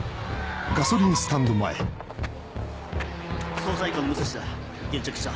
捜査一課の武蔵だ現着した。